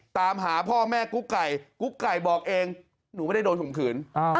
ตามหาพ่อแม่กุ๊กไก่กุ๊กไก่บอกเองหนูไม่ได้โดนข่มขืน